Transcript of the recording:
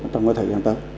trong cái thời gian tốt